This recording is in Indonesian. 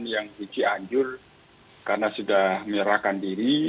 yang di cianjur karena sudah menyerahkan diri